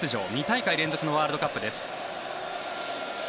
２大会連続のワールドカップです。